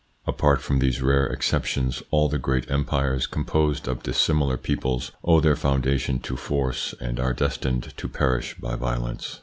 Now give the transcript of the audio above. Apart from these rare exceptions, all the great empires composed of dissimilar peoples owe their foundation to force and are destined to perish by violence.